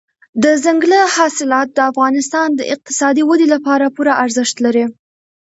دځنګل حاصلات د افغانستان د اقتصادي ودې لپاره پوره ارزښت لري.